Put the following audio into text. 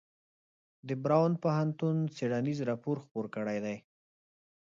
د براون پوهنتون څیړنیز راپور خپور کړی دی.